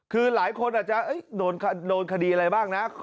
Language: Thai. คือหลายคนอาจจะโดนคดีอะไรบ้างนะ